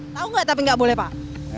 tahu gak tapi gak boleh pak